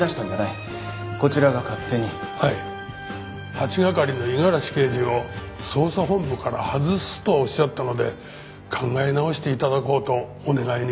８係の五十嵐刑事を捜査本部から外すとおっしゃったので考え直して頂こうとお願いに。